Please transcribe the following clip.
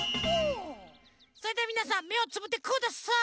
それではみなさんめをつぶってください！